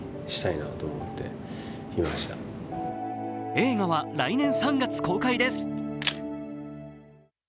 映画は来年３月公開です。